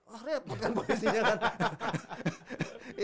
wah repotkan polisinya kan